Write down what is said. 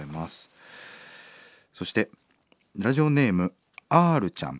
そしてラジオネームアールちゃん。